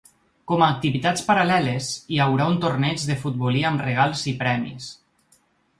Com a activitats paral·leles hi haurà un torneig de futbolí amb regals i premis.